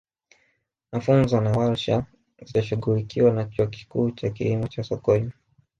mafunzo na warsha zitashughulikiwa na chuo kikuu cha kilimo cha sokoine